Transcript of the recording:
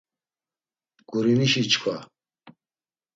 Gurişini çkva.